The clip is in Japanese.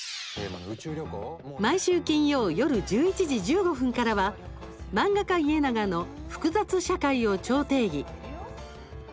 毎週金曜夜１１時１５分からは「漫画家イエナガの複雑社会を超定義」。